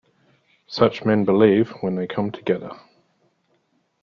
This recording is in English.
Such men believe, when they come together.